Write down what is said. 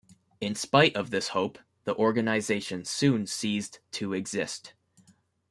In spite of this hope, the organisation soon ceased to exist.